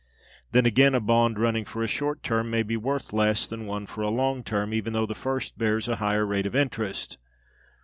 Then, again, a bond running for a short term may be worth less than one for a long term, even though the first bears a higher rate of interest.